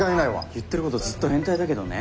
言ってることずっと変態だけどね。